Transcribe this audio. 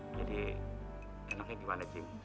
jadi enaknya gimana cing